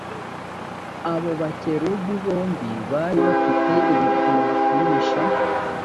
abo bakerubi bombi bari bafi te ibipimo bapimisha